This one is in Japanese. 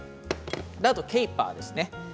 あとはケイパーです。